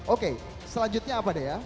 oke selanjutnya apa deh ya